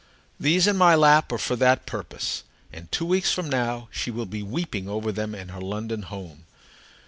These in my lap are for that purpose, and two weeks from now she will be weeping over them in her London home.